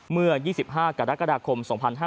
เมื่อ๒๕กรกฎาคม๒๕๕๙